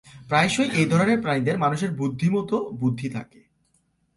প্রায়শই, এই ধরনের প্রাণীদের মানুষের বুদ্ধি মতো বুদ্ধি থাকে।